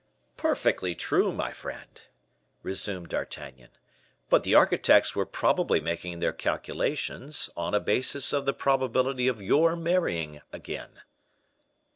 "Perfectly true, my friend," resumed D'Artagnan; "but the architects were probably making their calculations on a basis of the probability of your marrying again."